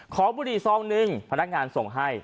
บุหรี่ซองหนึ่งพนักงานส่งให้